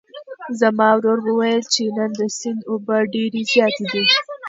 زما ورور وویل چې نن د سیند اوبه ډېرې زیاتې دي.